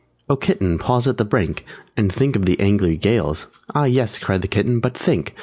"_ "Oh, Kitten, pause at the brink! And think of the angry gales!" _"Ah, yes," cried the Kitten, "but think!